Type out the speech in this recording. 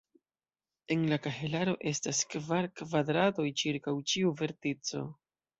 En la kahelaro estas kvar kvadratoj ĉirkaŭ ĉiu vertico.